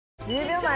１０秒前。